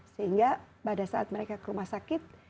sehingga pada saat mereka ke rumah sakit